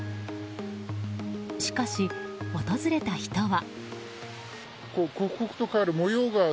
しかし、訪れた人は。